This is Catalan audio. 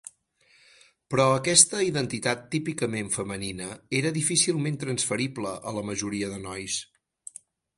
Però aquesta identitat típicament femenina era difícilment transferible a la majoria de nois.